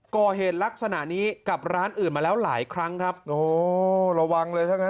ก่อเหตุลักษณะนี้กับร้านอื่นมาแล้วหลายครั้งครับโอ้ระวังเลยใช่ไหม